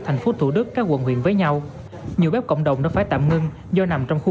thành phố thủ đức các quận huyện với nhau nhiều bếp cộng đồng đã phải tạm ngưng do nằm trong khu